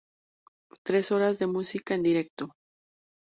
Tres horas de música en directo.